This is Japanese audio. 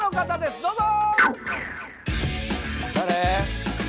どうぞ誰？